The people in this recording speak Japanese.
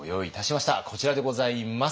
こちらでございます。